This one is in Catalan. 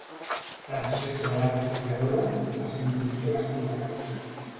Francesc Balart i Figuerola va ser un pintor nascut a Reus.